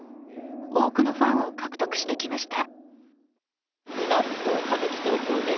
多くのファンを獲得してきました。